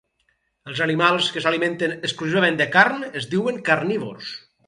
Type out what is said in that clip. Els animals que s'alimenten exclusivament de carn es diuen carnívors.